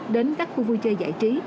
đến các khu vui chơi giải trí